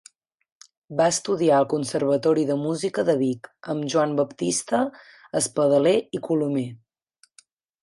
Va estudiar al conservatori de música de Vic amb Joan Baptista Espadaler i Colomer.